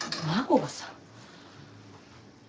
真子がさ。